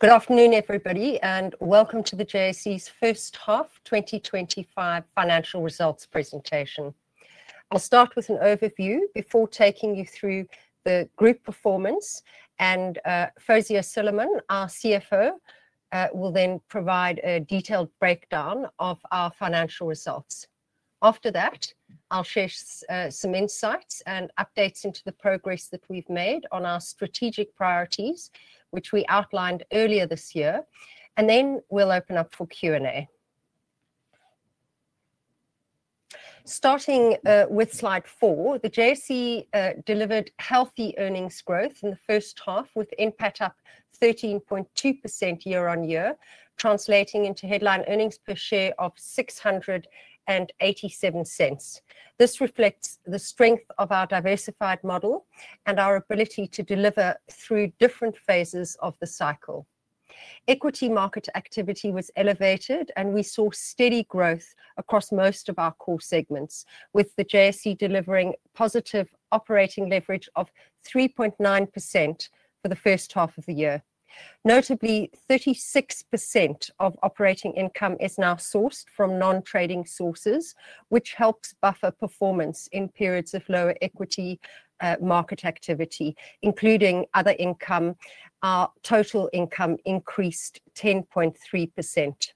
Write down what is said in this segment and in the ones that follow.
Good afternoon, everybody, and welcome to the JSE's First Half 2025 Financial Results Presentation. I'll start with an overview before taking you through the group performance, and Fawzia Suliman, our CFO, will then provide a detailed breakdown of our financial results. After that, I'll share some insights and updates into the progress that we've made on our strategic priorities, which we outlined earlier this year. We will open up for Q and A. Starting with slide four, the JSE delivered healthy earnings growth in the first half, with NPAT up 13.2% year on year, translating into headline earnings per share of $6.87. This reflects the strength of our diversified model and our ability to deliver through different phases of the cycle. Equity market activity was elevated, and we saw steady growth across most of our core segments, with the JSE delivering positive operating leverage of 3.9% for the first half of the year. Notably, 36% of operating income is now sourced from non-trading sources, which helps buffer performance in periods of lower equity market activity, including other income. Our total income increased 10.3%.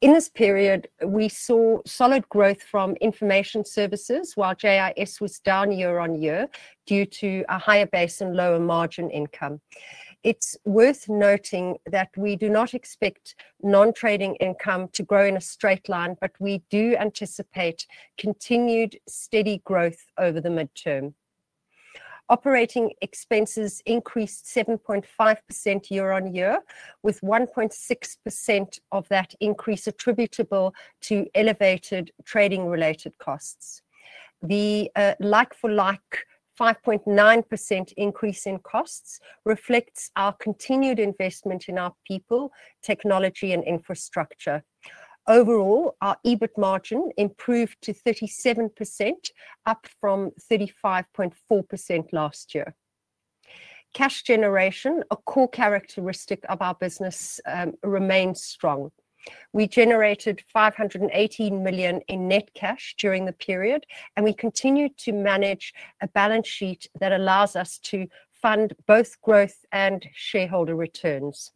In this period, we saw solid growth from information services, while JIS was down year on year due to a higher base and lower margin income. It's worth noting that we do not expect non-trading income to grow in a straight line, but we do anticipate continued steady growth over the midterm. Operating expenses increased 7.5% year on year, with 1.6% of that increase attributable to elevated trading-related costs. The like-for-like 5.9% increase in costs reflects our continued investment in our people, technology, and infrastructure. Overall, our EBIT margin improved to 37%, up from 35.4% last year. Cash generation, a core characteristic of our business, remains strong. We generated $518 million in net cash during the period, and we continue to manage a balance sheet that allows us to fund both growth and shareholder returns.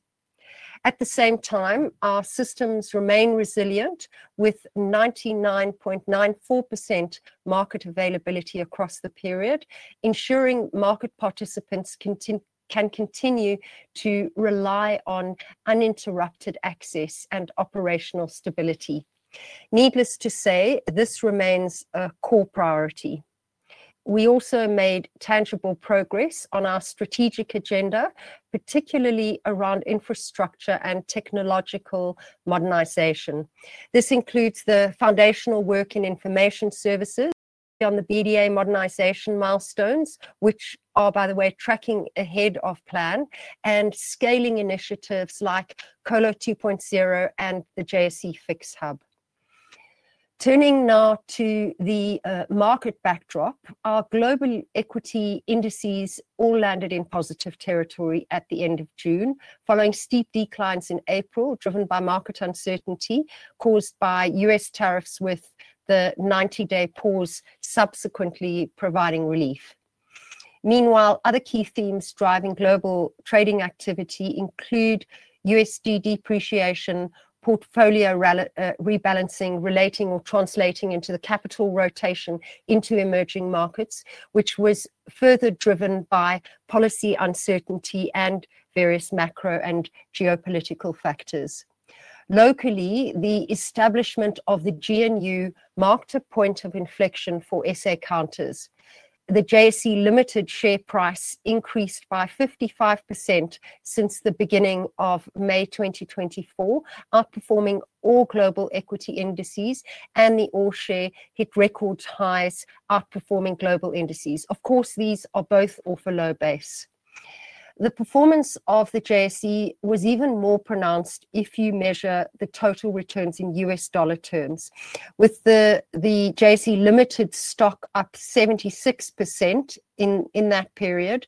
At the same time, our systems remain resilient, with 99.94% market availability across the period, ensuring market participants can continue to rely on uninterrupted access and operational stability. Needless to say, this remains a core priority. We also made tangible progress on our strategic agenda, particularly around infrastructure and technological modernization. This includes the foundational work in information services, beyond the BDA modernization milestones, which are, by the way, tracking ahead of plan, and scaling initiatives like Colo 2.0 and the JSE Fix Hub. Turning now to the market backdrop, our global equity indices all landed in positive territory at the end of June, following steep declines in April, driven by market uncertainty caused by U.S. tariffs, with the 90-day pause subsequently providing relief. Meanwhile, other key themes driving global trading activity include USD depreciation, portfolio rebalancing, relating or translating into the capital rotation into emerging markets, which was further driven by policy uncertainty and various macro and geopolitical factors. Locally, the establishment of the GNU marked a point of inflection for asset counters. The JSE share price increased by 55% since the beginning of May 2024, outperforming all global equity indices, and the all share hit record highs, outperforming global indices. Of course, these are both all for low base. The performance of the JSE was even more pronounced if you measure the total returns in USD terms. With the JSE stock up 76% in that period,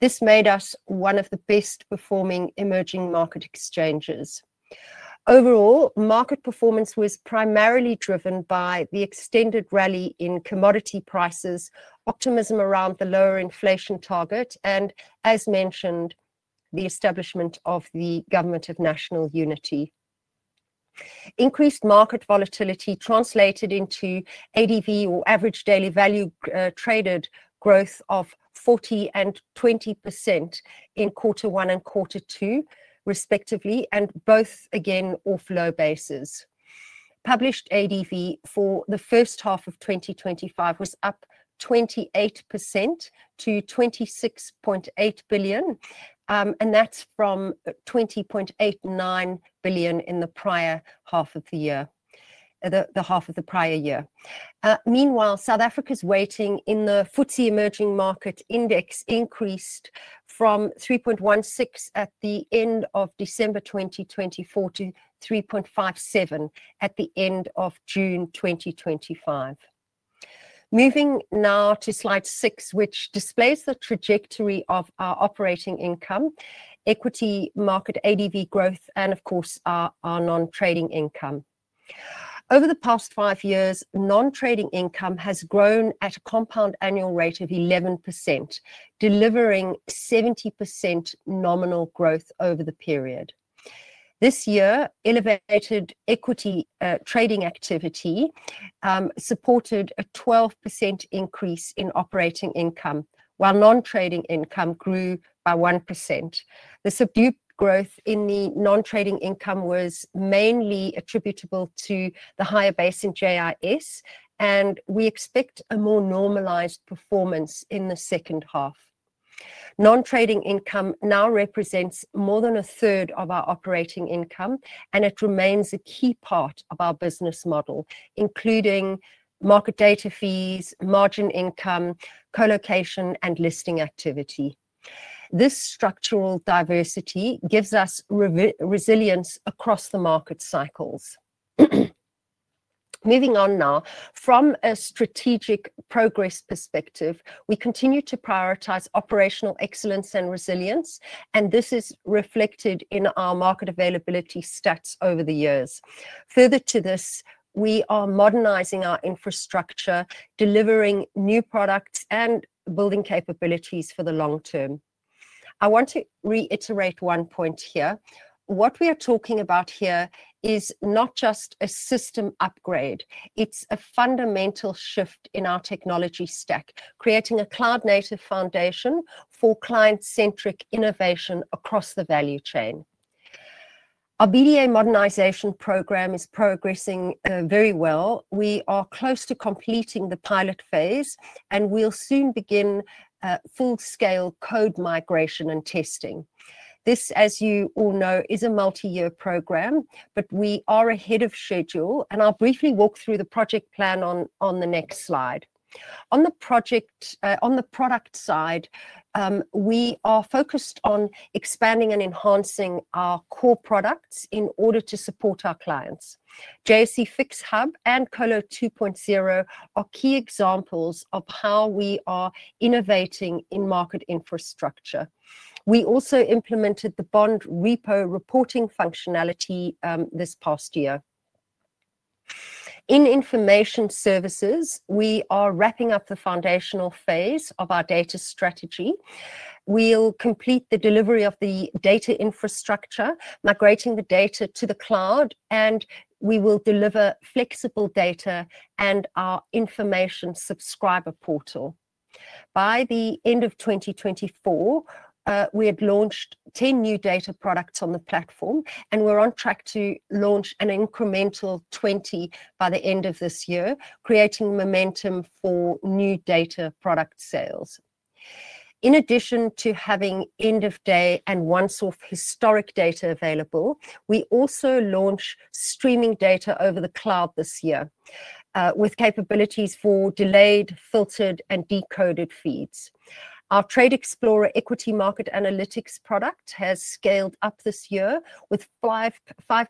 this made us one of the best-performing emerging market exchanges. Overall, market performance was primarily driven by the extended rally in commodity prices, optimism around the lower inflation target, and, as mentioned, the establishment of the Government of National Unity. Increased market volatility translated into ADV, or average daily value traded growth, of 40% and 20% in quarter one and quarter two, respectively, and both, again, all for low bases. Published ADV for the first half of 2025 was up 28% to $26.8 billion, and that's from $20.89 billion in the prior half of the year. Meanwhile, South Africa's weighting in the FTSE Emerging Market Index increased from 3.16% at the end of December 2024 to 3.57% at the end of June 2025. Moving now to slide six, which displays the trajectory of our operating income, equity market ADV growth, and, of course, our non-trading income. Over the past five years, non-trading income has grown at a compound annual rate of 11%, delivering 70% nominal growth over the period. This year, elevated equity trading activity supported a 12% increase in operating income, while non-trading income grew by 1%. The subdued growth in the non-trading income was mainly attributable to the higher base in JIS, and we expect a more normalized performance in the second half. Non-trading income now represents more than a third of our operating income, and it remains a key part of our business model, including market data fees, margin income, colocation, and listing activity. This structural diversity gives us resilience across the market cycles. Moving on now, from a strategic progress perspective, we continue to prioritize operational excellence and resilience, and this is reflected in our market availability stats over the years. Further to this, we are modernizing our infrastructure, delivering new products, and building capabilities for the long term. I want to reiterate one point here. What we are talking about here is not just a system upgrade. It's a fundamental shift in our technology stack, creating a cloud-native foundation for client-centric innovation across the value chain. Our BDA modernization project is progressing very well. We are close to completing the pilot phase, and we'll soon begin full-scale code migration and testing. This, as you all know, is a multi-year program, but we are ahead of schedule, and I'll briefly walk through the project plan on the next slide. On the product side, we are focused on expanding and enhancing our core products in order to support our clients. JSE Fix Hub and Colo 2.0 are key examples of how we are innovating in market infrastructure. We also implemented the bond repo reporting functionality this past year. In information services, we are wrapping up the foundational phase of our data strategy. We'll complete the delivery of the data infrastructure, migrating the data to the cloud, and we will deliver flexible data and our information subscriber portal. By the end of 2024, we had launched 10 new data products on the platform, and we're on track to launch an incremental 20 by the end of this year, creating momentum for new data product sales. In addition to having end-of-day and one-source historic data available, we also launched streaming data over the cloud this year, with capabilities for delayed, filtered, and decoded feeds. Our Trade Explorer equity market analytics product has scaled up this year, with five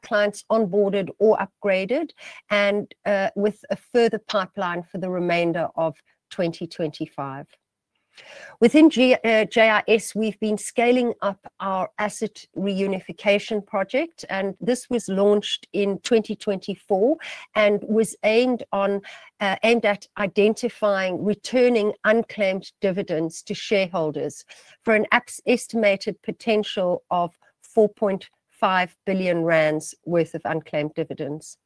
clients onboarded or upgraded, and with a further pipeline for the remainder of 2025. Within JIS, we've been scaling up our asset reunification campaign, and this was launched in 2024 and was aimed at identifying and returning unclaimed dividends to shareholders for an estimated potential of 4.5 billion rand worth of unclaimed dividends.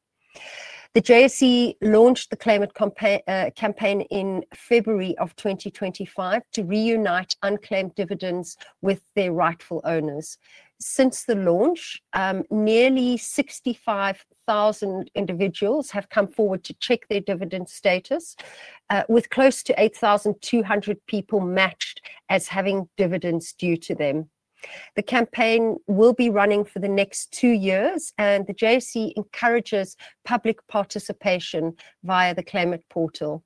The JSE launched the claimant campaign in February 2025 to reunite unclaimed dividends with their rightful owners. Since the launch, nearly 65,000 individuals have come forward to check their dividend status, with close to 8,200 people matched as having dividends due to them. The campaign will be running for the next two years, and the JSE encourages public participation via the claimant portal.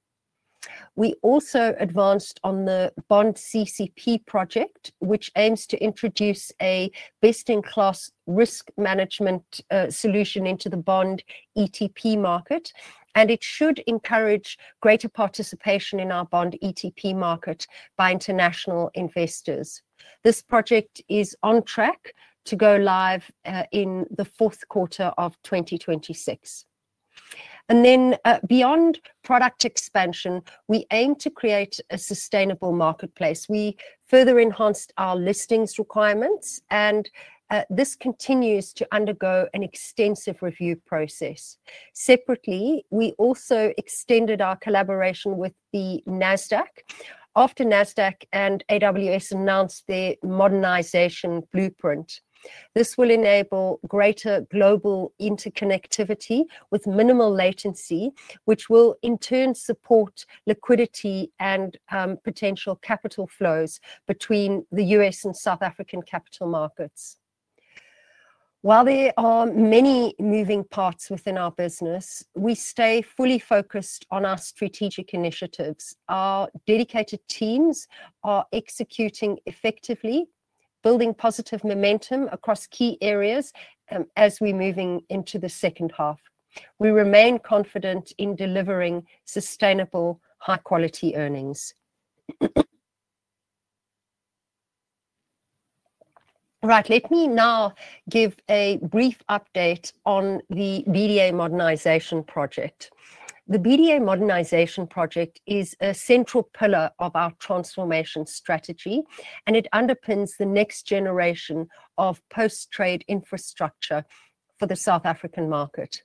We also advanced on the bond CCP project, which aims to introduce a best-in-class risk management solution into the bond ETP market, and it should encourage greater participation in our bond ETP market by international investors. This project is on track to go live in the fourth quarter of 2026. Beyond product expansion, we aim to create a sustainable marketplace. We further enhanced our listings requirements, and this continues to undergo an extensive review process. Separately, we also extended our collaboration with NASDAQ after NASDAQ and AWS announced their modernization blueprint. This will enable greater global interconnectivity with minimal latency, which will in turn support liquidity and potential capital flows between the U.S. and South African capital markets. While there are many moving parts within our business, we stay fully focused on our strategic initiatives. Our dedicated teams are executing effectively, building positive momentum across key areas, as we're moving into the second half. We remain confident in delivering sustainable, high-quality earnings. Right. Let me now give a brief update on the BDA modernization project. The BDA modernization project is a central pillar of our transformation strategy, and it underpins the next generation of post-trade infrastructure for the South African market.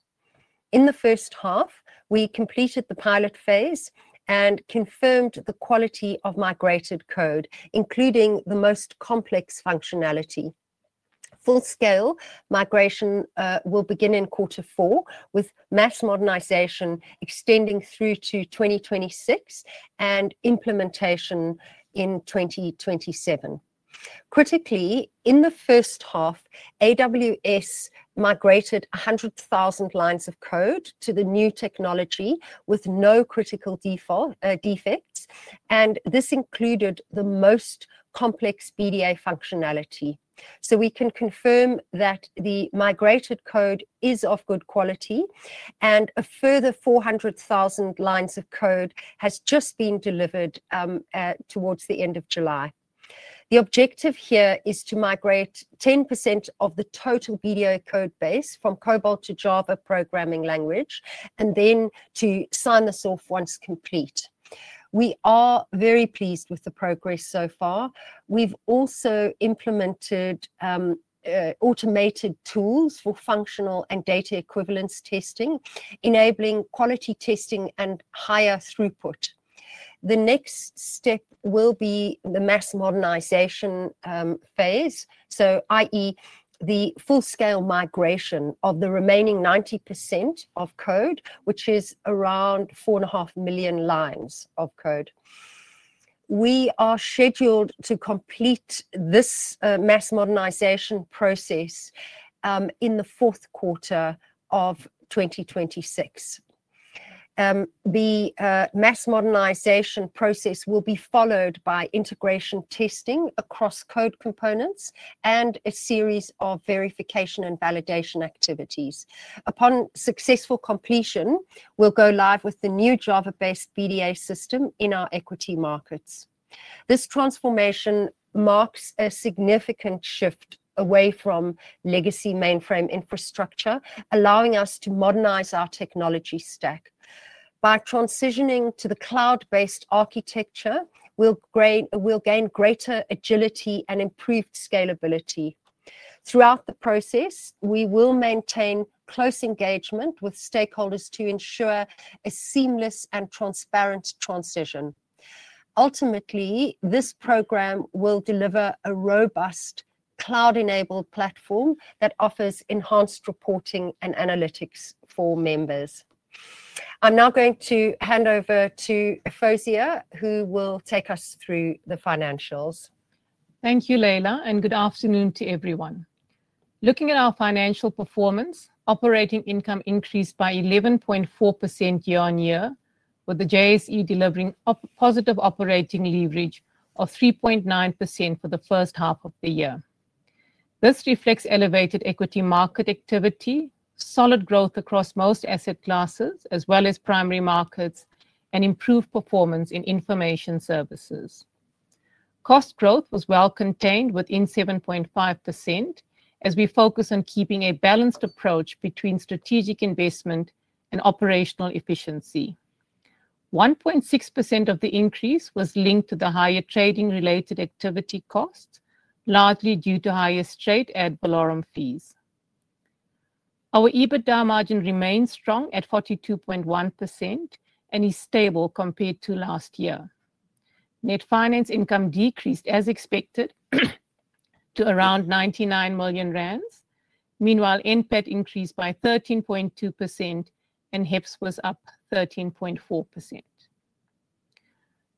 In the first half, we completed the pilot phase and confirmed the quality of migrated code, including the most complex functionality. Full-scale migration will begin in quarter four, with mass modernization extending through to 2026 and implementation in 2027. Critically, in the first half, AWS migrated 100,000 lines of code to the new technology with no critical defects, and this included the most complex BDA functionality. We can confirm that the migrated code is of good quality, and a further 400,000 lines of code has just been delivered towards the end of July. The objective here is to migrate 10% of the total BDA code base from COBOL to Java programming language, and then to sign this off once complete. We are very pleased with the progress so far. We've also implemented automated tools for functional and data equivalence testing, enabling quality testing and higher throughput. The next step will be the mass modernization phase, i.e., the full-scale migration of the remaining 90% of code, which is around 4.5 million lines of code. We are scheduled to complete this mass modernization process in the fourth quarter of 2026. The mass modernization process will be followed by integration testing across code components and a series of verification and validation activities. Upon successful completion, we'll go live with the new Java-based BDA system in our equity markets. This transformation marks a significant shift away from legacy mainframe infrastructure, allowing us to modernize our technology stack. By transitioning to the cloud-based architecture, we'll gain greater agility and improved scalability. Throughout the process, we will maintain close engagement with stakeholders to ensure a seamless and transparent transition. Ultimately, this program will deliver a robust cloud-enabled platform that offers enhanced reporting and analytics for members. I'm now going to hand over to Fawzia, who will take us through the financials. Thank you, Leila, and good afternoon to everyone. Looking at our financial performance, operating income increased by 11.4% year on year, with the JSE delivering positive operating leverage of 3.9% for the first half of the year. This reflects elevated equity market activity, solid growth across most asset classes as well as primary markets, and improved performance in information services. Cost growth was well contained within 7.5%, as we focus on keeping a balanced approach between strategic investment and operational efficiency. 1.6% of the increase was linked to the higher trading-related activity costs, largely due to higher straight-add Bollorum fees. Our EBITDA margin remains strong at 42.1% and is stable compared to last year. Net finance income decreased as expected to around 99 million rand. Meanwhile, NPAT increased by 13.2% and HEPS was up 13.4%.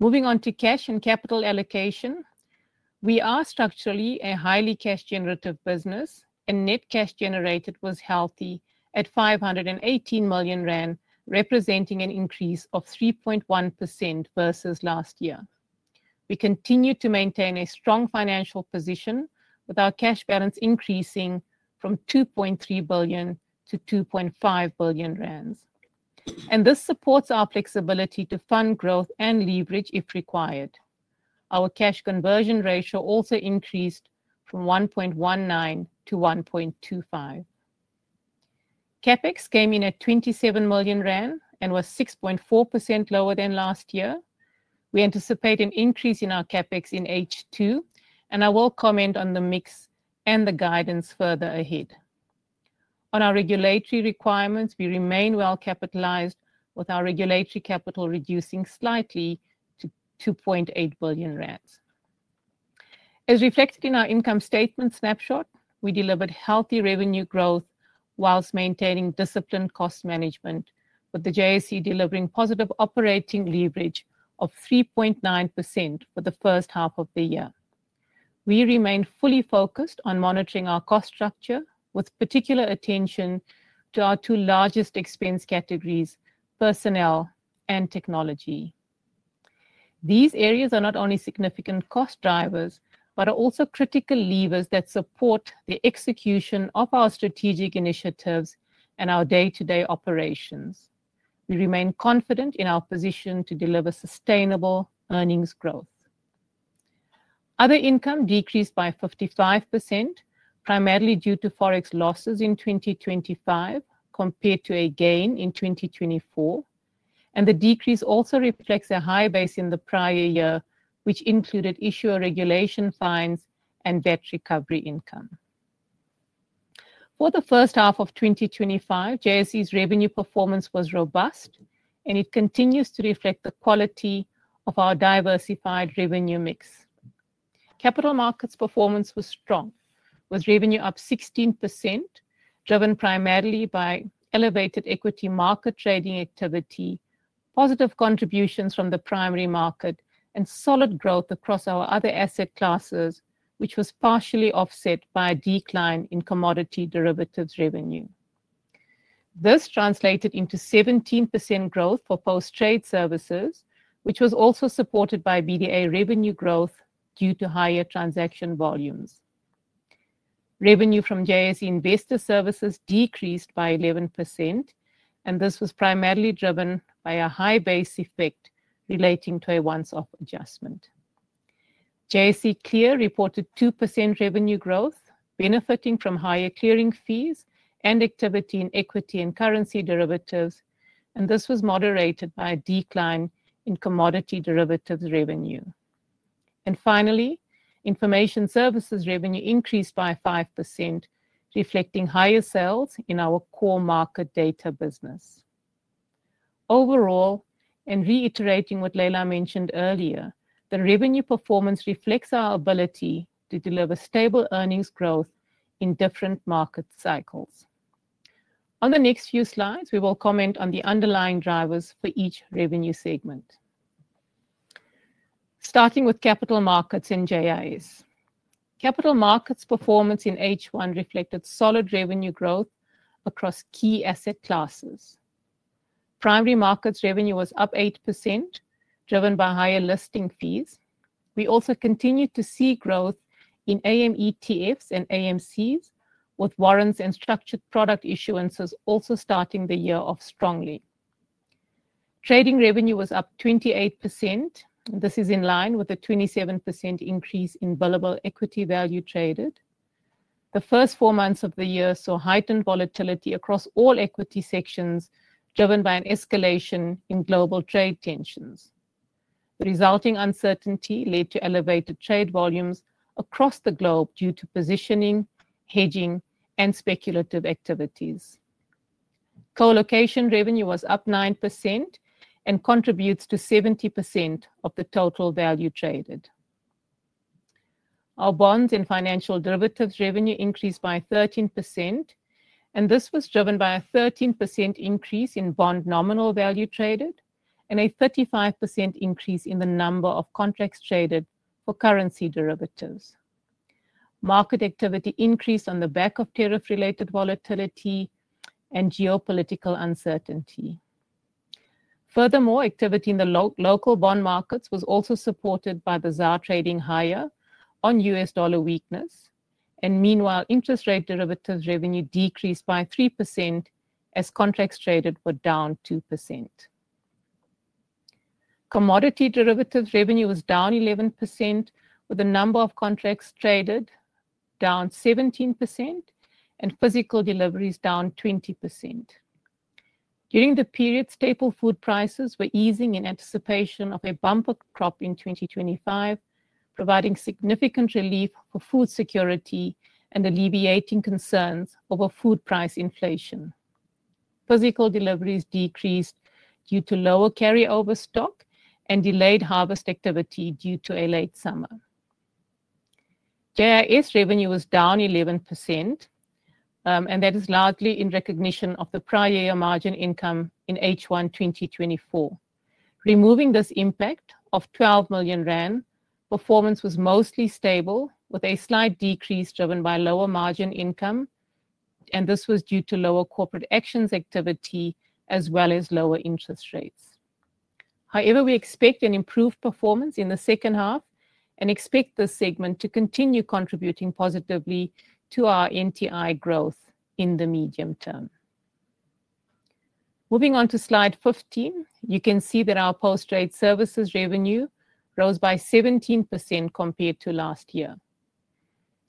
Moving on to cash and capital allocation, we are structurally a highly cash-generative business, and net cash generated was healthy at 518 million rand, representing an increase of 3.1% versus last year. We continue to maintain a strong financial position, with our cash balance increasing from 2.3 billion-2.5 billion rand. This supports our flexibility to fund growth and leverage if required. Our cash conversion ratio also increased from 1.19 to 1.25. CapEx came in at 27 million rand and was 6.4% lower than last year. We anticipate an increase in our CapEx in H2, and I will comment on the mix and the guidance further ahead. On our regulatory requirements, we remain well capitalized, with our regulatory capital reducing slightly to 2.8 billion rand. As reflected in our income statement snapshot, we delivered healthy revenue growth whilst maintaining disciplined cost management, with the JSE delivering positive operating leverage of 3.9% for the first half of the year. We remain fully focused on monitoring our cost structure, with particular attention to our two largest expense categories: personnel and technology. These areas are not only significant cost drivers but are also critical levers that support the execution of our strategic initiatives and our day-to-day operations. We remain confident in our position to deliver sustainable earnings growth. Other income decreased by 55%, primarily due to forex losses in 2025 compared to a gain in 2024, and the decrease also reflects a high base in the prior year, which included issuer regulation fines and debt recovery income. For the first half of 2025, JSE's revenue performance was robust, and it continues to reflect the quality of our diversified revenue mix. Capital markets performance was strong, with revenue up 16%, driven primarily by elevated equity market trading activity, positive contributions from the primary market, and solid growth across our other asset classes, which was partially offset by a decline in commodity derivatives revenue. This translated into 17% growth for post-trade services, which was also supported by BDA modernization project revenue growth due to higher transaction volumes. Revenue from JSE investor services decreased by 11%, and this was primarily driven by a high base effect relating to a once-off adjustment. JSE Clear reported 2% revenue growth, benefiting from higher clearing fees and activity in equity and currency derivatives. This was moderated by a decline in commodity derivatives revenue. Information services revenue increased by 5%, reflecting higher sales in our core market data business. Overall, and reiterating what Leila mentioned earlier, the revenue performance reflects our ability to deliver stable earnings growth in different market cycles. On the next few slides, we will comment on the underlying drivers for each revenue segment. Starting with capital markets and JIS. Capital markets performance in H1 reflected solid revenue growth across key asset classes. Primary markets revenue was up 8%, driven by higher listing fees. We also continued to see growth in AM ETFs and AMCs, with warrants and structured product issuances also starting the year off strongly. Trading revenue was up 28%. This is in line with the 27% increase in billable equity value traded. The first four months of the year saw heightened volatility across all equity sections, driven by an escalation in global trade tensions. The resulting uncertainty led to elevated trade volumes across the globe due to positioning, hedging, and speculative activities. Colocation revenue was up 9% and contributes to 70% of the total value traded. Our bonds and financial derivatives revenue increased by 13%, and this was driven by a 13% increase in bond nominal value traded and a 35% increase in the number of contracts traded for currency derivatives. Market activity increased on the back of tariff-related volatility and geopolitical uncertainty. Furthermore, activity in the local bond markets was also supported by the ZAR trading higher on US dollar weakness. Meanwhile, interest rate derivatives revenue decreased by 3% as contracts traded were down 2%. Commodity derivatives revenue was down 11%, with the number of contracts traded down 17% and physical deliveries down 20%. During the period, staple food prices were easing in anticipation of a bumper crop in 2025, providing significant relief for food security and alleviating concerns over food price inflation. Physical deliveries decreased due to lower carryover stock and delayed harvest activity due to a late summer. JIS revenue was down 11%, and that is largely in recognition of the prior year margin income in H1 2024. Removing this impact of $12 million, performance was mostly stable with a slight decrease driven by lower margin income, and this was due to lower corporate actions activity as well as lower interest rates. However, we expect an improved performance in the second half and expect this segment to continue contributing positively to our NTI growth in the medium term. Moving on to slide 15, you can see that our post-trade services revenue rose by 17% compared to last year.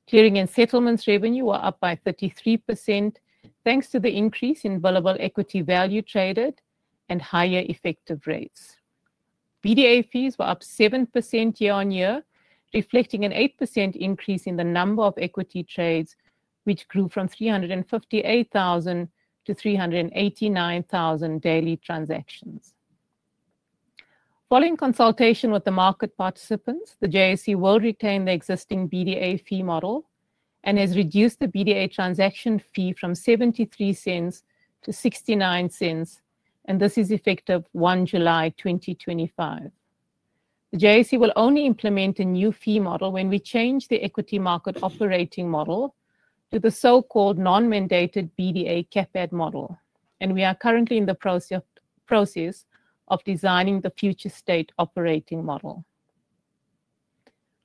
Clearing and settlements revenue were up by 33% thanks to the increase in billable equity value traded and higher effective rates. BDA fees were up 7% year on year, reflecting an 8% increase in the number of equity trades, which grew from 358,000 to 389,000 daily transactions. Following consultation with the market participants, the JSE will retain the existing BDA fee model and has reduced the BDA transaction fee from $0.73-$0.69, and this is effective July 1, 2025. The JSE will only implement a new fee model when we change the equity market operating model to the so-called non-mandated BDA CAPEAD model, and we are currently in the process of designing the future state operating model.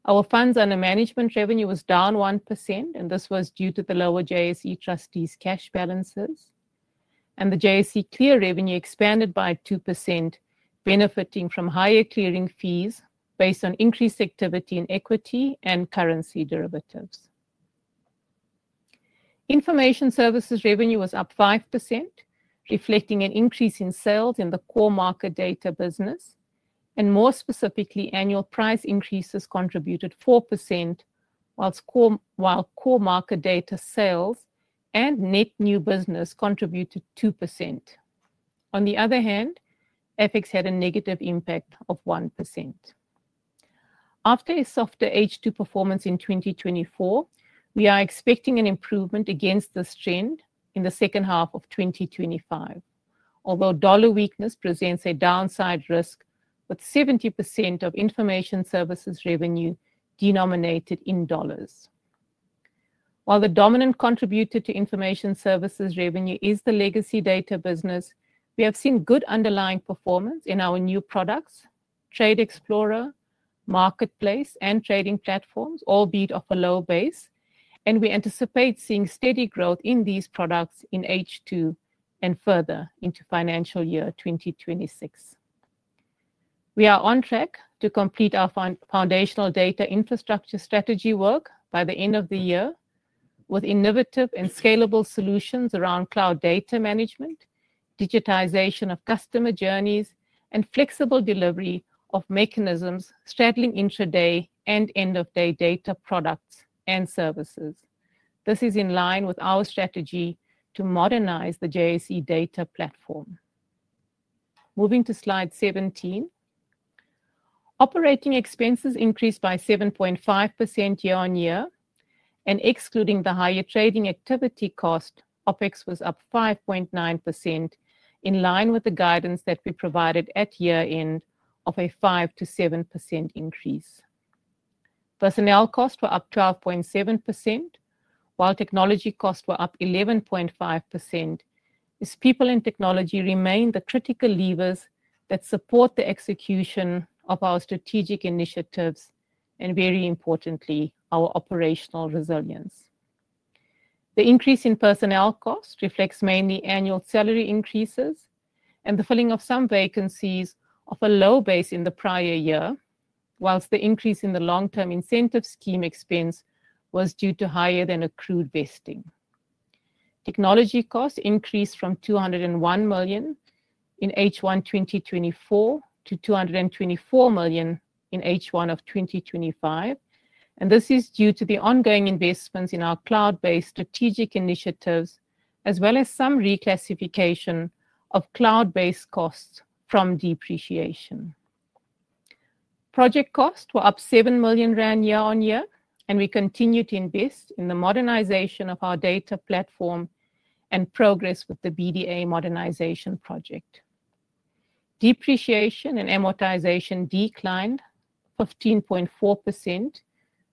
Our funds under management revenue was down 1%, and this was due to the lower JSE trustees' cash balances, and the JSE Clear revenue expanded by 2%, benefiting from higher clearing fees based on increased activity in equity and currency derivatives. Information services revenue was up 5%, reflecting an increase in sales in the core market data business, and more specifically, annual price increases contributed 4%, while core market data sales and net new business contributed 2%. On the other hand, FX had a negative impact of 1%. After a softer H2 performance in 2024, we are expecting an improvement against this trend in the second half of 2025, although dollar weakness presents a downside risk with 70% of information services revenue denominated in dollars. While the dominant contributor to information services revenue is the legacy data business, we have seen good underlying performance in our new products, Trade Explorer, Marketplace, and Trading Platforms, all be it up a low base, and we anticipate seeing steady growth in these products in H2 and further into financial year 2026. We are on track to complete our foundational data infrastructure strategy work by the end of the year, with innovative and scalable solutions around cloud data management, digitization of customer journeys, and flexible delivery mechanisms straddling intraday and end-of-day data products and services. This is in line with our strategy to modernize the JSE data platform. Moving to slide 17, operating expenses increased by 7.5% year on year, and excluding the higher trading activity cost, OpEx was up 5.9% in line with the guidance that we provided at year end of a 5%-7% increase. Personnel costs were up 12.7%, while technology costs were up 11.5%. These people and technology remain the critical levers that support the execution of our strategic initiatives and, very importantly, our operational resilience. The increase in personnel costs reflects mainly annual salary increases and the filling of some vacancies off a low base in the prior year, whilst the increase in the long-term incentive scheme expense was due to higher than accrued vesting. Technology costs increased from 201 million in H1 2024 to 224 million in H1 2025, and this is due to the ongoing investments in our cloud-based strategic initiatives, as well as some reclassification of cloud-based costs from depreciation. Project costs were up 7 million rand year on year, and we continued to invest in the modernization of our data platform and progress with the BDA modernization project. Depreciation and amortization declined 15.4%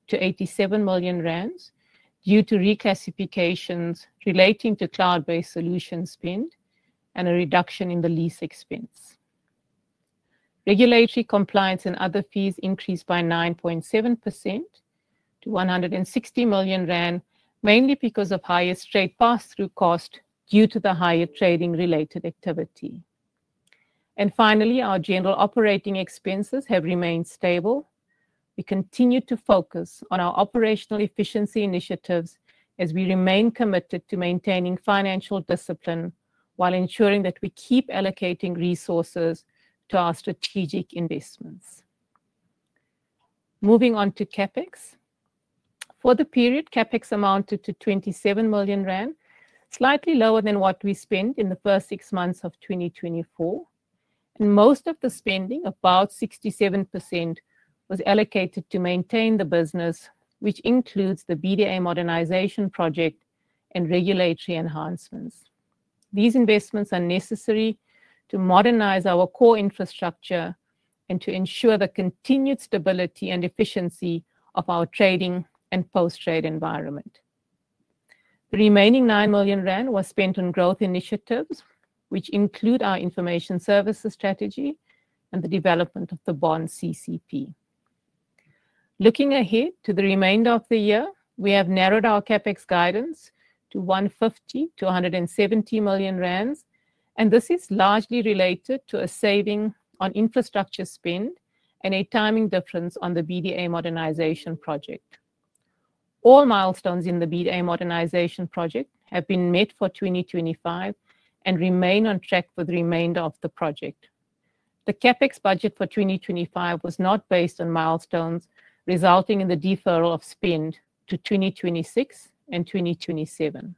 to 87 million rand due to reclassifications relating to cloud-based solutions spend and a reduction in the lease expense. Regulatory compliance and other fees increased by 9.7% to 160 million rand, mainly because of higher straight pass-through costs due to the higher trading-related activity. Finally, our general operating expenses have remained stable. We continue to focus on our operational efficiency initiatives as we remain committed to maintaining financial discipline while ensuring that we keep allocating resources to our strategic investments. Moving on to CapEx. For the period, CapEx amounted to 27 million rand, slightly lower than what we spent in the first six months of 2024, and most of the spending, about 67%, was allocated to maintain the business, which includes the BDA modernization project and regulatory enhancements. These investments are necessary to modernize our core infrastructure and to ensure the continued stability and efficiency of our trading and post-trade environment. The remaining 9 million rand was spent on growth initiatives, which include our information services strategy and the development of the bond CCP project. Looking ahead to the remainder of the year, we have narrowed our CapEx guidance to 150 million-170 million rand, and this is largely related to a saving on infrastructure spend and a timing difference on the BDA modernization project. All milestones in the BDA modernization project have been met for 2025 and remain on track for the remainder of the project. The CapEx budget for 2025 was not based on milestones, resulting in the deferral of spend to 2026 and 2027.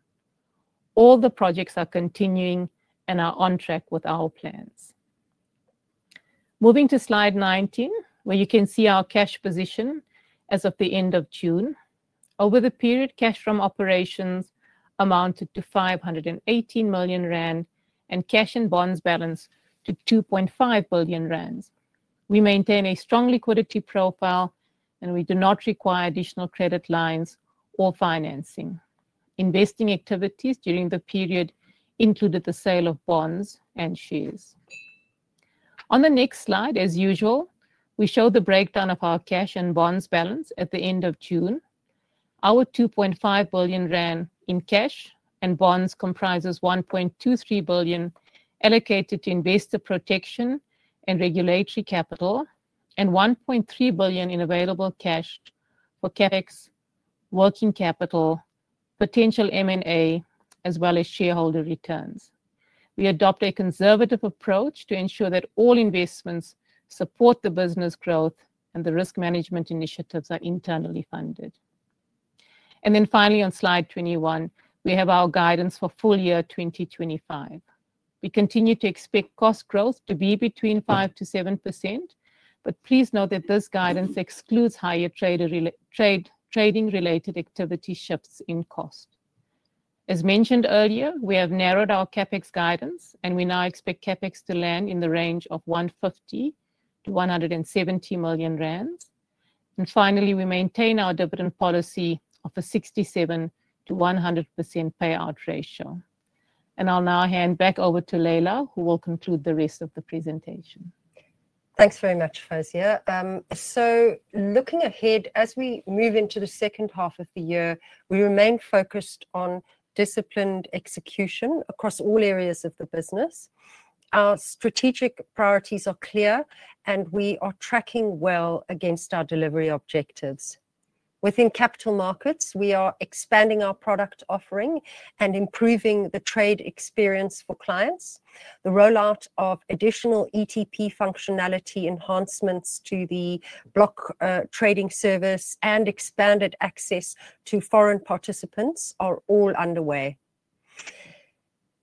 All the projects are continuing and are on track with our plans. Moving to slide 19, where you can see our cash position as of the end of June. Over the period, cash from operations amounted to 518 million rand and cash and bonds balance to 2.5 billion rand. We maintain a strong liquidity profile, and we do not require additional credit lines or financing. Investing activities during the period included the sale of bonds and shares. On the next slide, as usual, we show the breakdown of our cash and bonds balance at the end of June. Our 2.5 billion in cash and bonds comprises 1.23 billion allocated to investor protection and regulatory capital and 1.3 billion in available cash for CapEx, working capital, potential M&A, as well as shareholder returns. We adopt a conservative approach to ensure that all investments support the business growth and the risk management initiatives are internally funded. Finally, on slide 21, we have our guidance for full year 2025. We continue to expect cost growth to be between 5% to 7%, but please note that this guidance excludes higher trading-related activity shifts in cost. As mentioned earlier, we have narrowed our CapEx guidance, and we now expect CapEx to land in the range of 150 million-170 million rand. Finally, we maintain our dividend policy of a 67% to 100% payout ratio. I'll now hand back over to Leila, who will conclude the rest of the presentation. Thanks very much, Fawzia. Looking ahead, as we move into the second half of the year, we remain focused on disciplined execution across all areas of the business. Our strategic priorities are clear, and we are tracking well against our delivery objectives. Within capital markets, we are expanding our product offering and improving the trade experience for clients. The rollout of additional ETP functionality enhancements to the block trading service and expanded access to foreign participants are all underway.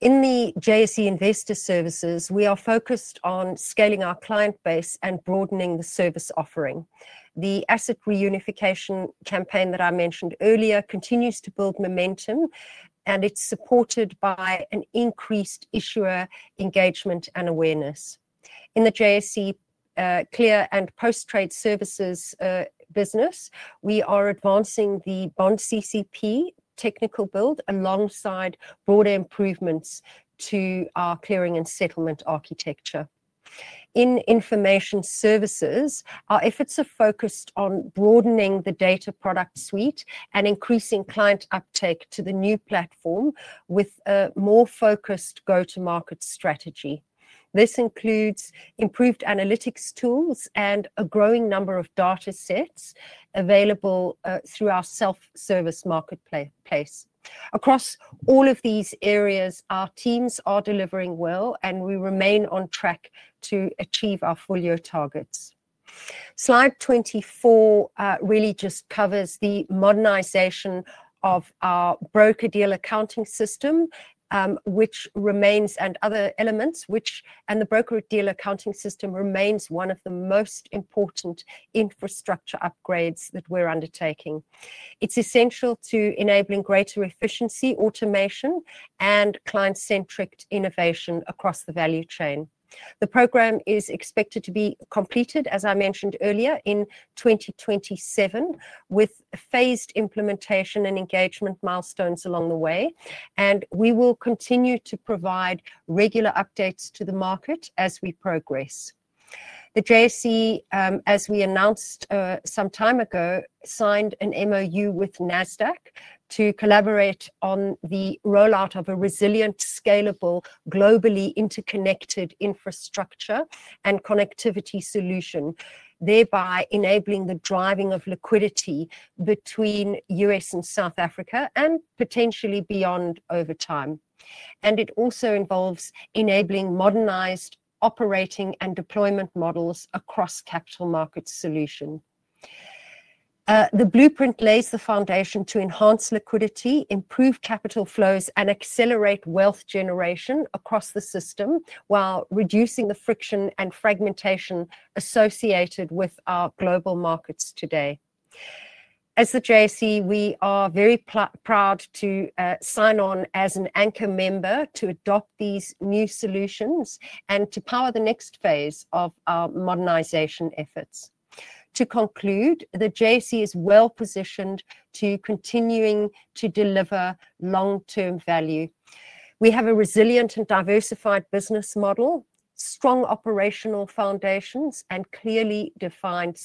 In the JSE investor services, we are focused on scaling our client base and broadening the service offering. The asset reunification campaign that I mentioned earlier continues to build momentum, and it's supported by an increased issuer engagement and awareness. In the JSE clear and post-trade services business, we are advancing the bond CCP technical build alongside broader improvements to our clearing and settlement architecture. In information services, our efforts are focused on broadening the data product suite and increasing client uptake to the new platform with a more focused go-to-market strategy. This includes improved analytics tools and a growing number of data sets available through our self-service marketplace. Across all of these areas, our teams are delivering well, and we remain on track to achieve our full-year targets. Slide 24 really just covers the modernization of our broker-deal accounting system, which remains, and other elements which, and the broker-deal accounting system remains one of the most important infrastructure upgrades that we're undertaking. It's essential to enabling greater efficiency, automation, and client-centric innovation across the value chain. The program is expected to be completed, as I mentioned earlier, in 2027 with phased implementation and engagement milestones along the way, and we will continue to provide regular updates to the market as we progress. The JSE, as we announced some time ago, signed an MOU with NASDAQ to collaborate on the rollout of a resilient, scalable, globally interconnected infrastructure and connectivity solution, thereby enabling the driving of liquidity between U.S. and South Africa and potentially beyond over time. It also involves enabling modernized operating and deployment models across capital market solutions. The blueprint lays the foundation to enhance liquidity, improve capital flows, and accelerate wealth generation across the system while reducing the friction and fragmentation associated with our global markets today. As the JSE, we are very proud to sign on as an anchor member to adopt these new solutions and to power the next phase of our modernization efforts. To conclude, the JSE is well positioned to continue to deliver long-term value. We have a resilient and diversified business model, strong operational foundations, and clearly defined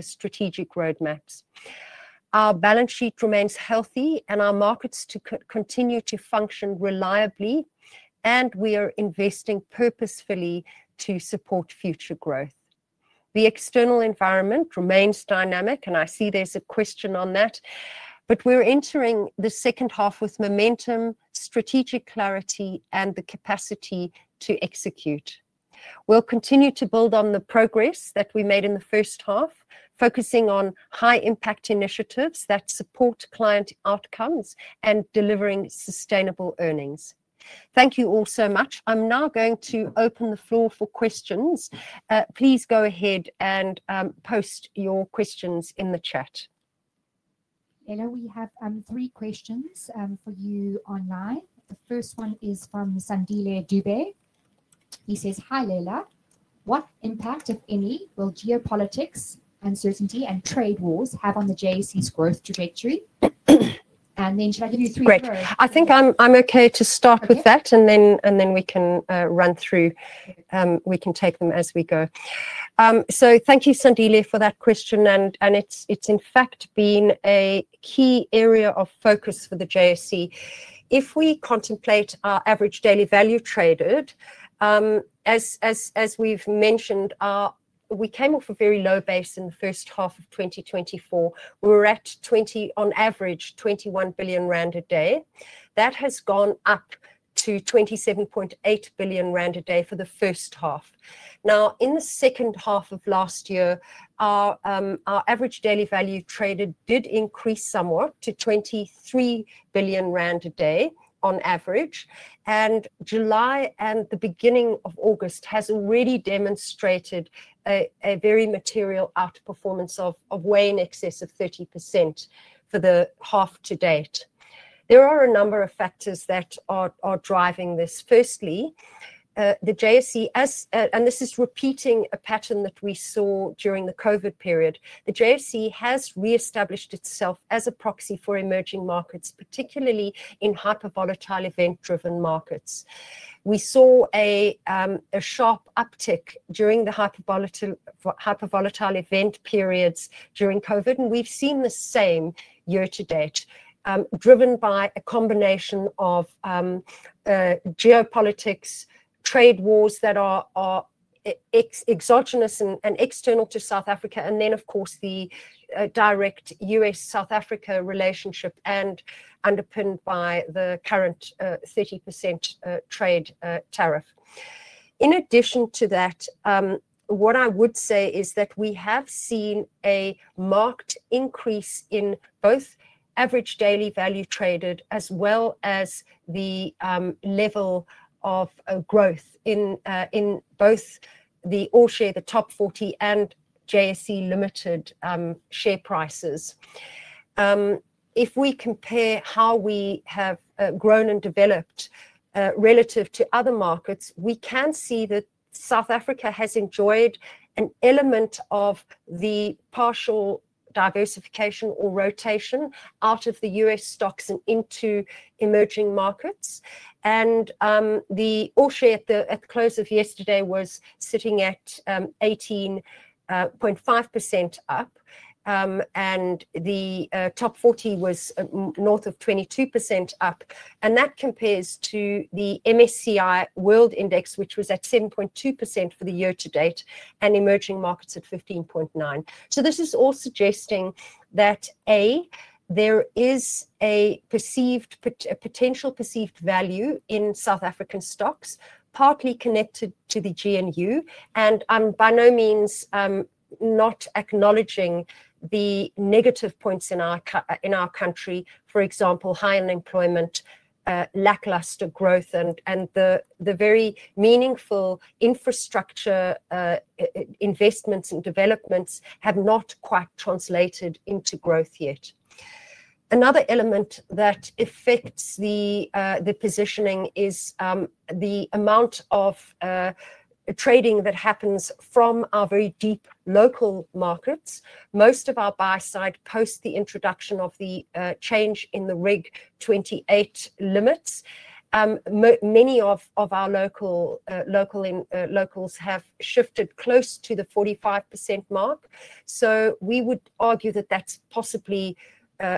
strategic roadmaps. Our balance sheet remains healthy, our markets continue to function reliably, and we are investing purposefully to support future growth. The external environment remains dynamic. I see there's a question on that, but we're entering the second half with momentum, strategic clarity, and the capacity to execute. We'll continue to build on the progress that we made in the first half, focusing on high-impact initiatives that support client outcomes and delivering sustainable earnings. Thank you all so much. I'm now going to open the floor for questions. Please go ahead and post your questions in the chat. Leila, we have three questions for you online. The first one is from Sandhile Dube. He says, "Hi, Leila. What impact, if any, will geopolitics, uncertainty, and trade wars have on the JSE's growth trajectory?" Should I give you three? Great. I think I'm okay to start with that, and then we can run through. We can take them as we go. Thank you, Sandhile, for that question, and it's in fact been a key area of focus for the JSE. If we contemplate our average daily value traded, as we've mentioned, we came off a very low base in the first half of 2024. We were at, on average, 21 billion rand a day. That has gone up to 27.8 billion rand a day for the first half. In the second half of last year, our average daily value traded did increase somewhat to 23 billion rand a day on average, and July and the beginning of August have already demonstrated a very material outperformance of way in excess of 30% for the half to date. There are a number of factors that are driving this. Firstly, the JSE, and this is repeating a pattern that we saw during the COVID period, has reestablished itself as a proxy for emerging markets, particularly in hypervolatile event-driven markets. We saw a sharp uptick during the hypervolatile event periods during COVID, and we've seen the same year to date, driven by a combination of geopolitics, trade wars that are exogenous and external to South Africa, and, of course, the direct U.S.-South Africa relationship and underpinned by the current 30% trade tariff. In addition to that, what I would say is that we have seen a marked increase in both average daily value traded as well as the level of growth in both the all share, the top 40, and JSE Limited share prices. If we compare how we have grown and developed relative to other markets, we can see that South Africa has enjoyed an element of the partial diversification or rotation out of the U.S. stocks and into emerging markets. The all share at the close of yesterday was sitting at 18.5% up, and the top 40 was north of 22% up. That compares to the MSCI World Index, which was at 7.2% for the year to date, and emerging markets at 15.9%. This is all suggesting that, A, there is a perceived potential perceived value in South African stocks, partly connected to the GNU, and I'm by no means not acknowledging the negative points in our country. For example, high unemployment, lackluster growth, and the very meaningful infrastructure investments and developments have not quite translated into growth yet. Another element that affects the positioning is the amount of trading that happens from our very deep local markets. Most of our buy side post the introduction of the change in the RIG 28 limits. Many of our locals have shifted close to the 45% mark. We would argue that that's possibly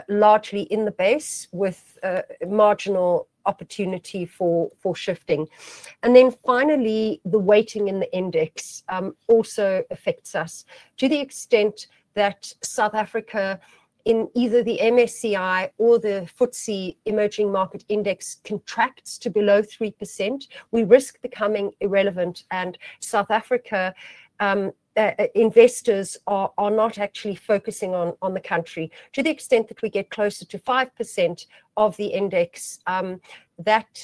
largely in the base with marginal opportunity for shifting. Finally, the weighting in the index also affects us. To the extent that South Africa in either the MSCI or the FTSE Emerging Market Index contracts to below 3%, we risk becoming irrelevant, and South Africa investors are not actually focusing on the country. To the extent that we get closer to 5% of the index,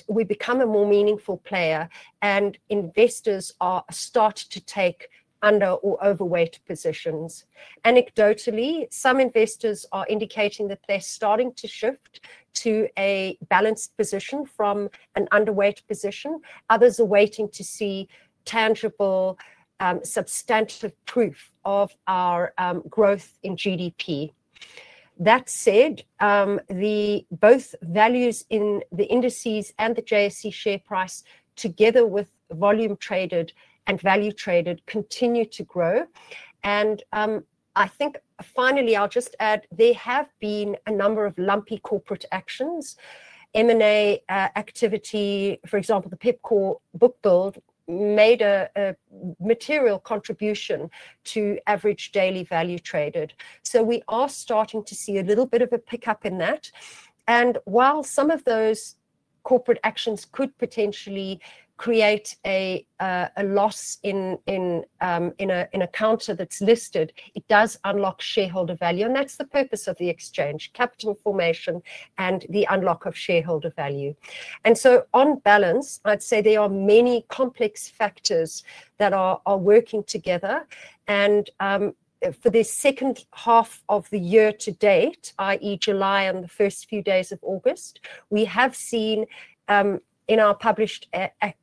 we become a more meaningful player, and investors start to take under or overweight positions. Anecdotally, some investors are indicating that they're starting to shift to a balanced position from an underweight position. Others are waiting to see tangible substantive proof of our growth in GDP. That said, both values in the indices and the JSE share price, together with volume traded and value traded, continue to grow. Finally, I'll just add, there have been a number of lumpy corporate actions. M&A activity, for example, the Pipcore book build made a material contribution to average daily value traded. We are starting to see a little bit of a pickup in that. While some of those corporate actions could potentially create a loss in a counter that's listed, it does unlock shareholder value, and that's the purpose of the exchange: capital formation and the unlock of shareholder value. On balance, I'd say there are many complex factors that are working together. For the second half of the year to date, i.e., July and the first few days of August, we have seen in our published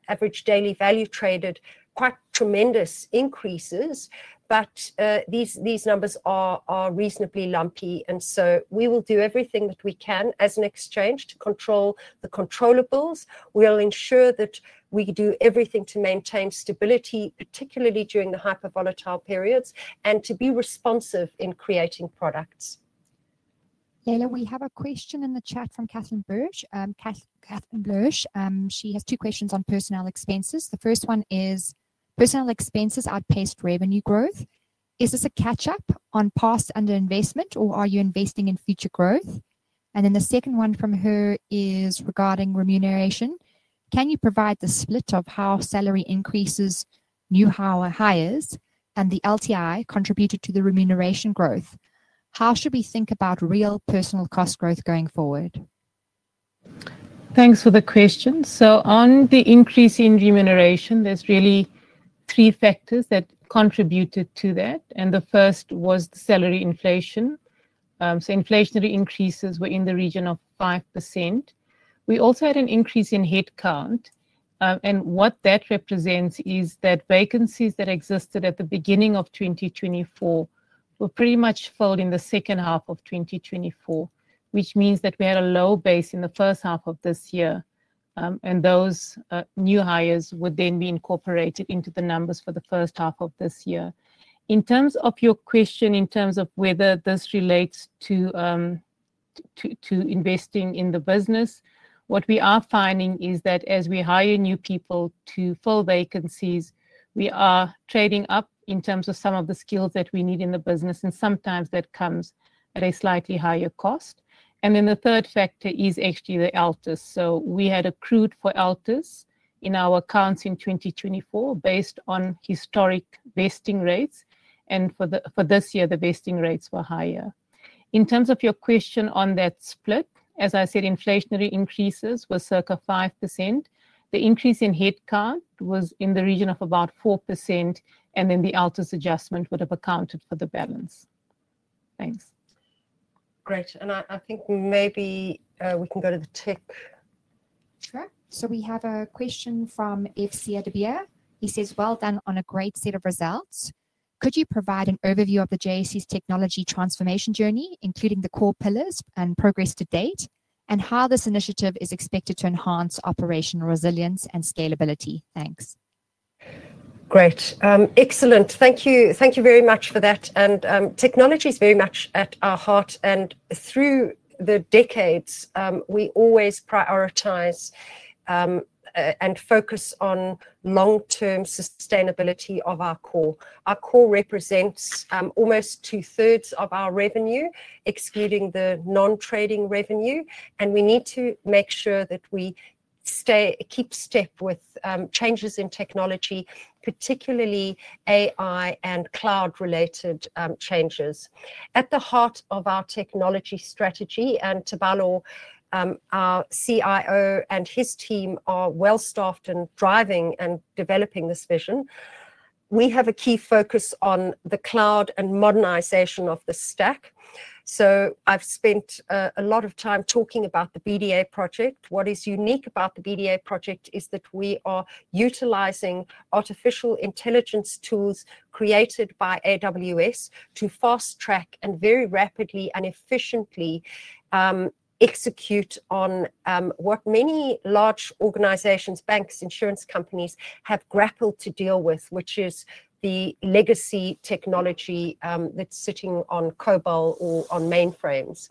average daily value traded quite tremendous increases, but these numbers are reasonably lumpy. We will do everything that we can as an exchange to control the controllables. We'll ensure that we do everything to maintain stability, particularly during the hypervolatile periods, and to be responsive in creating products. Leila, we have a question in the chat from Catherine Birch. Catherine Birch has two questions on personnel expenses. The first one is, personnel expenses are past revenue growth. Is this a catch-up on past underinvestment, or are you investing in future growth? The second one from her is regarding remuneration. Can you provide the split of how salary increases, new hires, and the LTI contributed to the remuneration growth? How should we think about real personnel cost growth going forward? Thanks for the question. On the increase in remuneration, there are really three factors that contributed to that. The first was the salary inflation. Inflationary increases were in the region of 5%. We also had an increase in headcount, and what that represents is that vacancies that existed at the beginning of 2024 were pretty much filled in the second half of 2024, which means that we had a low base in the first half of this year, and those new hires would then be incorporated into the numbers for the first half of this year. In terms of your question, in terms of whether this relates to investing in the business, what we are finding is that as we hire new people to fill vacancies, we are trading up in terms of some of the skills that we need in the business, and sometimes that comes at a slightly higher cost. The third factor is actually the ALTERS. We had accrued for ALTERS in our accounts in 2024 based on historic vesting rates, and for this year, the vesting rates were higher. In terms of your question on that split, as I said, inflationary increases were circa 5%. The increase in headcount was in the region of about 4%, and the ALTERS adjustment would have accounted for the balance. Thanks. Great. I think maybe we can go to the TIC. Sure. We have a question from FCA Dubier. He says, "Well done on a great set of results. Could you provide an overview of the JSE's technology transformation journey, including the core pillars and progress to date, and how this initiative is expected to enhance operational resilience and scalability? Thanks. Great. Excellent. Thank you. Thank you very much for that. Technology is very much at our heart, and through the decades, we always prioritize and focus on long-term sustainability of our core. Our core represents almost two-thirds of our revenue, excluding the non-trading revenue, and we need to make sure that we keep step with changes in technology, particularly AI and cloud-related changes. At the heart of our technology strategy, and Tuvalo, our CIO and his team are well-staffed and driving and developing this vision, we have a key focus on the cloud and modernization of the stack. I've spent a lot of time talking about the BDA modernization project. What is unique about the BDA modernization project is that we are utilizing artificial intelligence tools created by AWS to fast-track and very rapidly and efficiently execute on what many large organizations, banks, insurance companies have grappled to deal with, which is the legacy technology that's sitting on COBOL or on mainframes.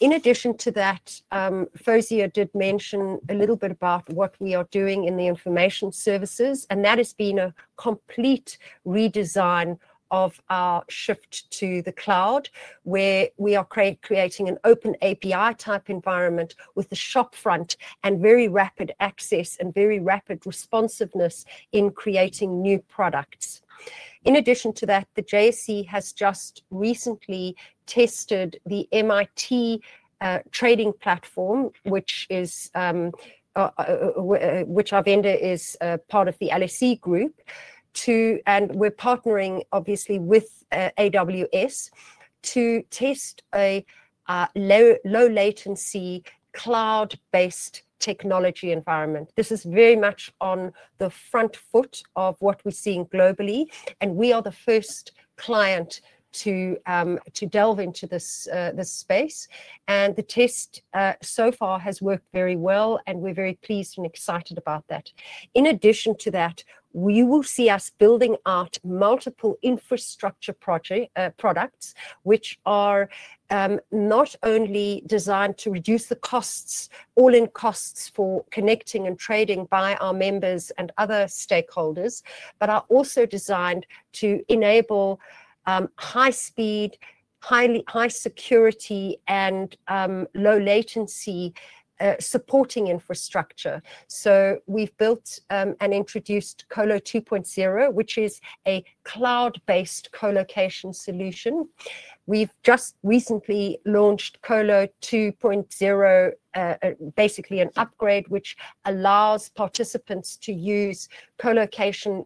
In addition to that, Fawzia did mention a little bit about what we are doing in the information services, and that has been a complete redesign of our shift to the cloud, where we are creating an open API-type environment with a shop front and very rapid access and very rapid responsiveness in creating new products. In addition to that, JSE has just recently tested the MIT trading platform, which our vendor is part of the LSE Group, and we're partnering, obviously, with AWS to test a low-latency cloud-based technology environment. This is very much on the front foot of what we're seeing globally, and we are the first client to delve into this space. The test so far has worked very well, and we're very pleased and excited about that. In addition to that, you will see us building out multiple infrastructure products, which are not only designed to reduce the costs, all-in costs for connecting and trading by our members and other stakeholders, but are also designed to enable high-speed, high-security, and low-latency supporting infrastructure. We've built and introduced Colo 2.0, which is a cloud-based colocation solution. We've just recently launched Colo 2.0, basically an upgrade which allows participants to use colocation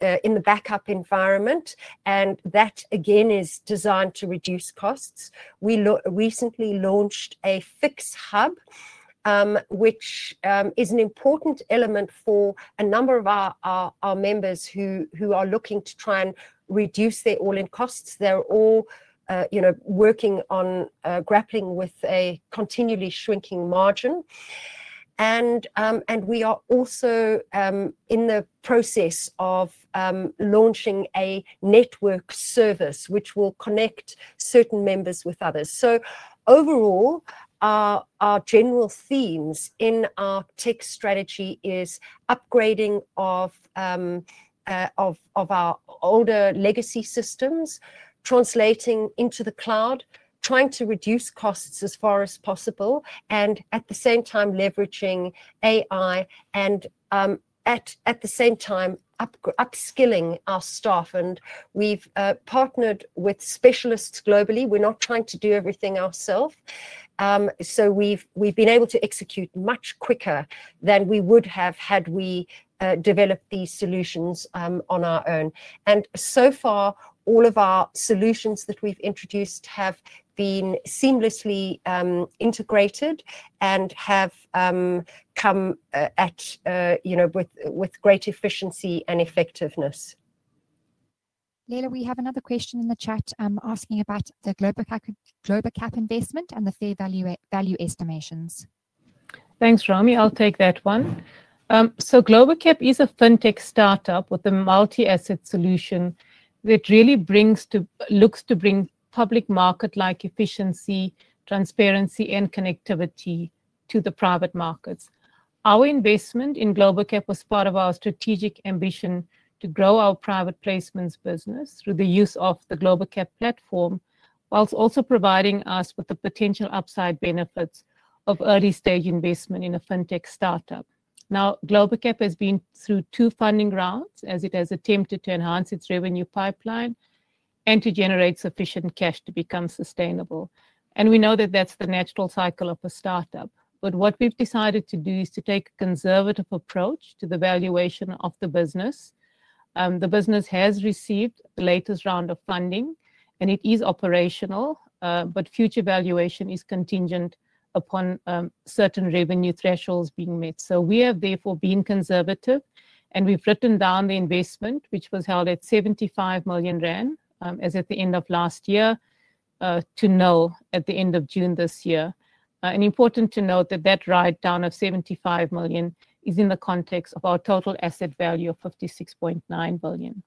in the backup environment, and that, again, is designed to reduce costs. We recently launched a JSE Fix Hub, which is an important element for a number of our members who are looking to try and reduce their all-in costs. They're all working on grappling with a continually shrinking margin. We are also in the process of launching a network service which will connect certain members with others. Overall, our general themes in our tech strategy are upgrading of our older legacy systems, translating into the cloud, trying to reduce costs as far as possible, and at the same time, leveraging AI, and at the same time, upskilling our staff. We've partnered with specialists globally. We're not trying to do everything ourselves. We've been able to execute much quicker than we would have had we developed these solutions on our own. So far, all of our solutions that we've introduced have been seamlessly integrated and have come with great efficiency and effectiveness. Leila, we have another question in the chat asking about the Global Cap investment and the fair value estimations. Thanks, Rami. I'll take that one. Global Cap is a fintech startup with a multi-asset solution that really looks to bring public market-like efficiency, transparency, and connectivity to the private markets. Our investment in Global Cap was part of our strategic ambition to grow our private placements business through the use of the Global Cap platform, whilst also providing us with the potential upside benefits of early-stage investment in a fintech startup. Global Cap has been through two funding rounds as it has attempted to enhance its revenue pipeline and to generate sufficient cash to become sustainable. We know that that's the natural cycle of a startup. What we've decided to do is to take a conservative approach to the valuation of the business. The business has received the latest round of funding, and it is operational, but future valuation is contingent upon certain revenue thresholds being met. We have therefore been conservative, and we've written down the investment, which was held at 75 million rand as at the end of last year, to null at the end of June this year. It's important to note that that write-down of 75 million is in the context of our total asset value of 56.9 billion.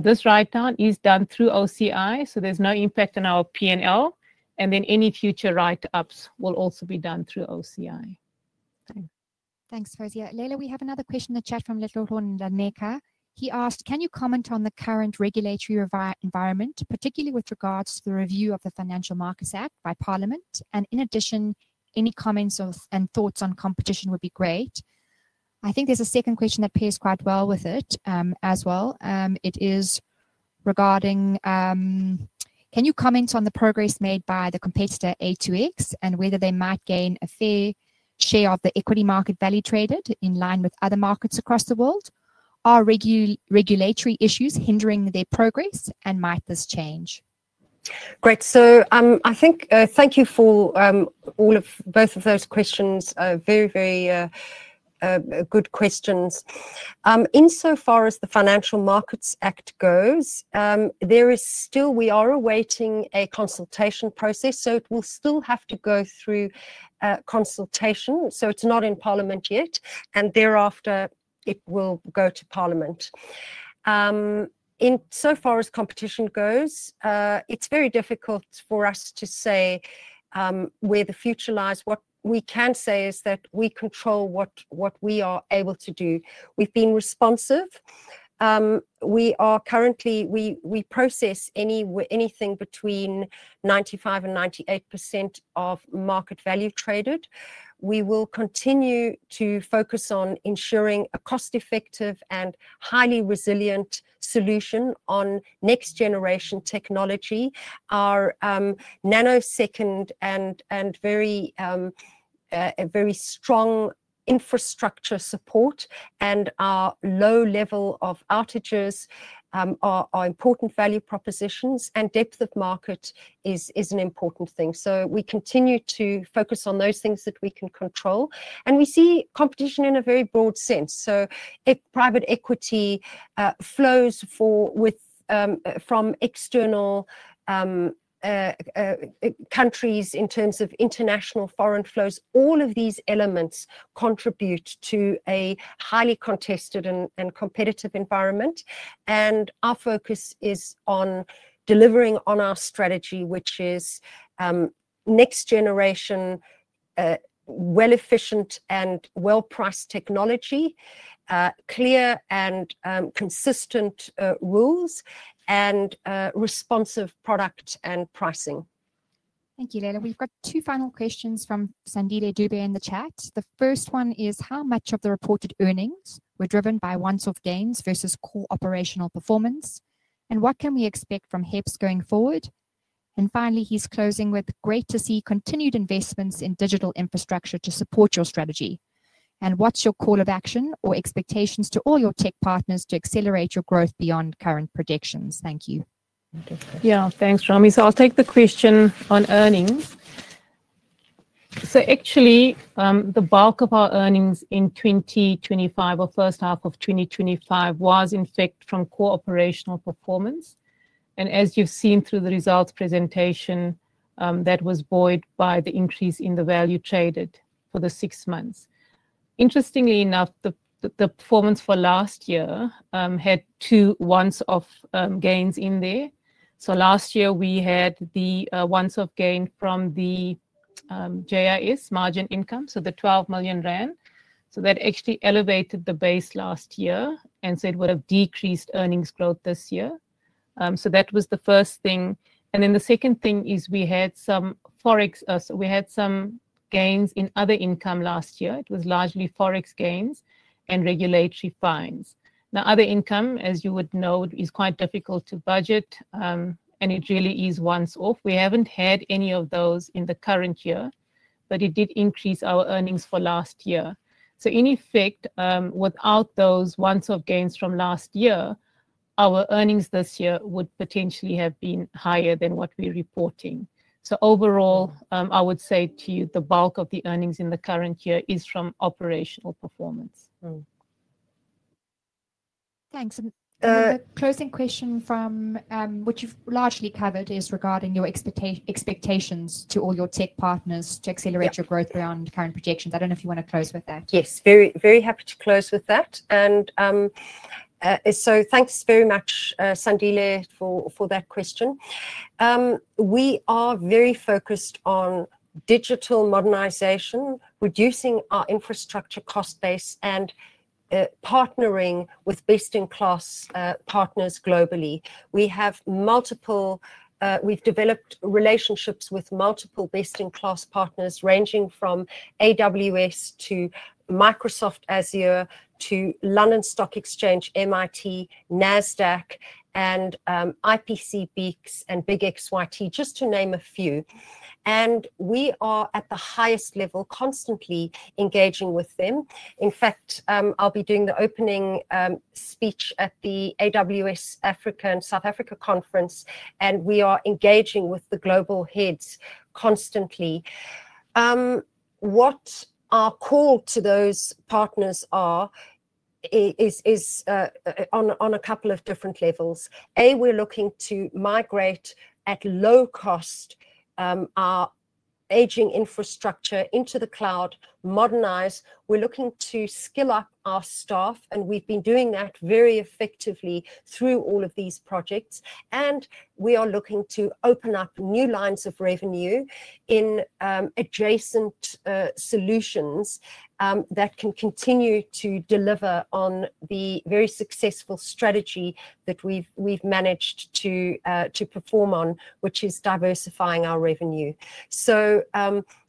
This write-down is done through OCI, so there's no impact on our P&L, and any future write-ups will also be done through OCI. Thanks, Fawzia. Leila, we have another question in the chat from Littleton Lanaka. He asked, "Can you comment on the current regulatory environment, particularly with regards to the review of the Financial Markets Act by Parliament? In addition, any comments and thoughts on competition would be great." I think there's a second question that pairs quite well with it as well. It is regarding, "Can you comment on the progress made by the competitor A2X and whether they might gain a fair share of the equity market value traded in line with other markets across the world? Are regulatory issues hindering their progress, and might this change? Great. Thank you for both of those questions. Very, very good questions. Insofar as the Financial Markets Act goes, we are awaiting a consultation process, so it will still have to go through consultation. It is not in Parliament yet, and thereafter, it will go to Parliament. Insofar as competition goes, it's very difficult for us to say where the future lies. What we can say is that we control what we are able to do. We've been responsive. We are currently, we process anything between 95% and 98% of market value traded. We will continue to focus on ensuring a cost-effective and highly resilient solution on next-generation technology, our nanosecond and very strong infrastructure support, and our low level of outages are important value propositions, and depth of market is an important thing. We continue to focus on those things that we can control, and we see competition in a very broad sense. Private equity flows from external countries in terms of international foreign flows. All of these elements contribute to a highly contested and competitive environment, and our focus is on delivering on our strategy, which is next-generation, well-efficient, and well-priced technology, clear and consistent rules, and responsive product and pricing. Thank you, Leila. We've got two final questions from Sandhile Dubie in the chat. The first one is, "How much of the reported earnings were driven by one-off gains versus core operational performance? What can we expect from HEPS going forward?" Finally, he's closing with, "Great to see continued investments in digital infrastructure to support your strategy. What's your call of action or expectations to all your tech partners to accelerate your growth beyond current projections? Thank you. Yeah. Thanks, Romy. I'll take the question on earnings. Actually, the bulk of our earnings in 2025, or first half of 2025, was in fact from core operational performance. As you've seen through the results presentation, that was buoyed by the increase in the value traded for the six months. Interestingly enough, the performance for last year had two once-off gains in there. Last year, we had the once-off gain from the JIS margin income, so the 12 million rand. That actually elevated the base last year and said it would have decreased earnings growth this year. That was the first thing. The second thing is we had some forex, so we had some gains in other income last year. It was largely forex gains and regulatory fines. Now, other income, as you would know, is quite difficult to budget, and it really is once-off. We haven't had any of those in the current year, but it did increase our earnings for last year. In effect, without those once-off gains from last year, our earnings this year would potentially have been higher than what we're reporting. Overall, I would say to you the bulk of the earnings in the current year is from operational performance. Thanks. A closing question from what you've largely covered is regarding your expectations to all your tech partners to accelerate your growth beyond current projections. I don't know if you want to close with that. Yes. Very, very happy to close with that. Thanks very much, Sandhile, for that question. We are very focused on digital modernization, reducing our infrastructure cost base, and partnering with best-in-class partners globally. We have developed relationships with multiple best-in-class partners ranging from AWS to Microsoft Azure to London Stock Exchange Group, MIT, NASDAQ, IPC BEX, and Big XYT, just to name a few. We are at the highest level constantly engaging with them. In fact, I'll be doing the opening speech at the AWS Africa and South Africa conference, and we are engaging with the global heads constantly. Our call to those partners is on a couple of different levels. A, we're looking to migrate at low cost our aging infrastructure into the cloud, modernize. We're looking to skill up our staff, and we've been doing that very effectively through all of these projects. We are looking to open up new lines of revenue in adjacent solutions that can continue to deliver on the very successful strategy that we've managed to perform on, which is diversifying our revenue.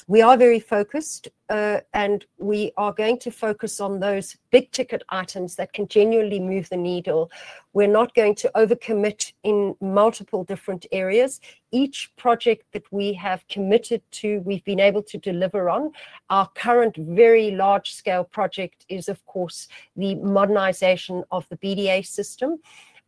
We are very focused, and we are going to focus on those big-ticket items that can genuinely move the needle. We're not going to overcommit in multiple different areas. Each project that we have committed to, we've been able to deliver on. Our current very large-scale project is, of course, the modernization of the BDA system.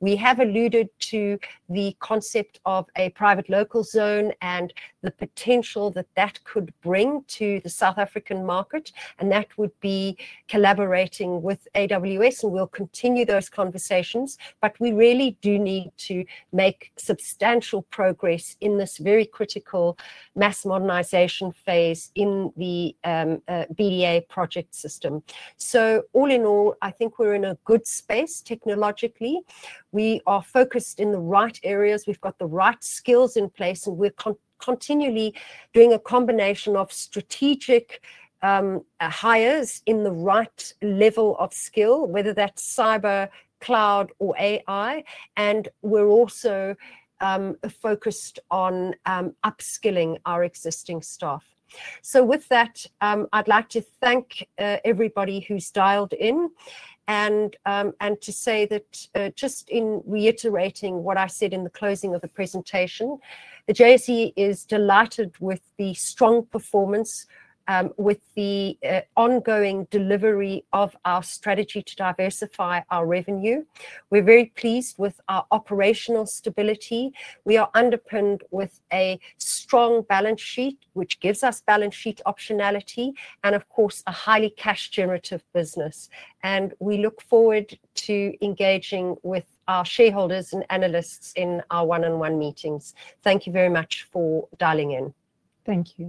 We have alluded to the concept of a private local zone and the potential that that could bring to the South African market, and that would be collaborating with AWS, and we'll continue those conversations. We really do need to make substantial progress in this very critical mass modernization phase in the BDA project system. All in all, I think we're in a good space technologically. We are focused in the right areas. We've got the right skills in place, and we're continually doing a combination of strategic hires in the right level of skill, whether that's cyber, cloud, or AI. We're also focused on upskilling our existing staff. With that, I'd like to thank everybody who's dialed in and to say that just in reiterating what I said in the closing of the presentation, the JSE is delighted with the strong performance, with the ongoing delivery of our strategy to diversify our revenue. We're very pleased with our operational stability. We are underpinned with a strong balance sheet, which gives us balance sheet optionality and, of course, a highly cash-generative business. We look forward to engaging with our shareholders and analysts in our one-on-one meetings. Thank you very much for dialing in. Thank you.